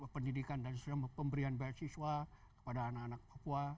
pendidikan dan pemberian beasiswa kepada anak anak papua